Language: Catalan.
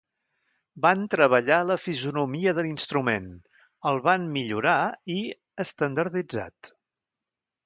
Van treballar la fisonomia de l'instrument, el van millorar i estandarditzat.